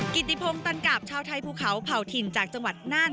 กิติพงศ์ตันกับชาวไทยภูเขาเผ่าถิ่นจากจังหวัดน่าน